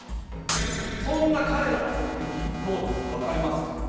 そんな彼らの目的どうですか分かりますか？